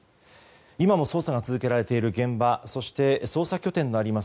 今も捜査が続けられている現場そして、捜査拠点があります